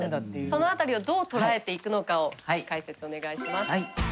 その辺りをどう捉えていくのかを解説お願いします。